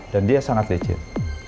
dan dia sangat lecit